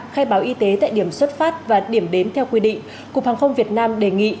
khai báo y tế tại điểm xuất phát và điểm đến theo quy định cục hàng không việt nam đề nghị